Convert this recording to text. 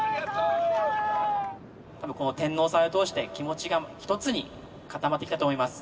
「天王祭を通して気持ちが一つに固まってきたと思います。